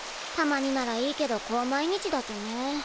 たまにならいいけどこう毎日だとね。